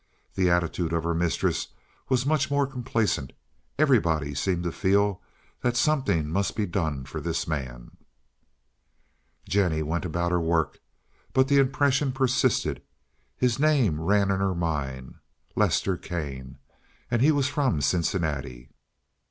The attitude of her mistress was much more complaisant. Everybody seemed to feel that something must be done for this man. Jennie went about her work, but the impression persisted; his name ran in her mind. Lester Kane. And he was from Cincinnati.